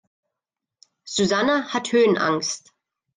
Susanne hat Höhenangst.